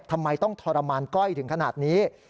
ทำไมต้องทรมานก้อยถึงขนาดนี้